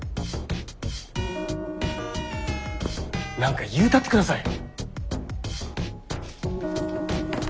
何か言うたって下さい。